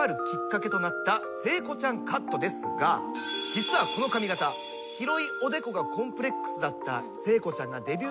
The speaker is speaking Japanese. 実はこの髪形広いおでこがコンプレックスだった聖子ちゃんが。